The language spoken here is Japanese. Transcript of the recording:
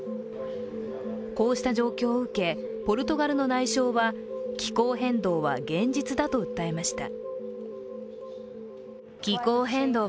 こうした状況を受け、ポルトガルの内相は、気候変動は現実だと訴えました。